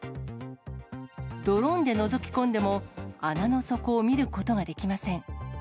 ドローンでのぞき込んでも穴の底を見ることができません。